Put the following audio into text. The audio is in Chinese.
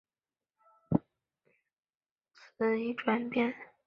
此一转变使得热带神经衰弱的致病因由气候转变为压抑欲望。